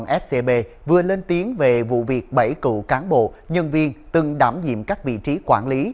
scb vừa lên tiếng về vụ việc bảy cựu cán bộ nhân viên từng đảm nhiệm các vị trí quản lý